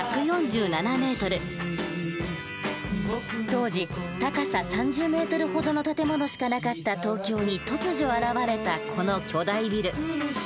当時高さ３０ｍほどの建物しかなかった東京に突如現れたこの巨大ビル。